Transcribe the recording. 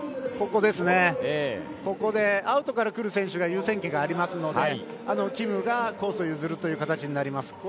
ここでアウトからくる選手に優先権がありますのでキムがコースを譲るという形になります。